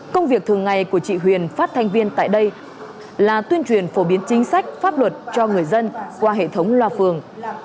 công việc thường ngày của chị huyền phát thanh viên tại đây là tuyên truyền phổ biến chính sách pháp luật cho người dân qua hệ thống loa phường